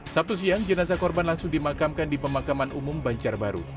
sabtu siang jenazah korban langsung dimakamkan di pemakaman umum banjarbaru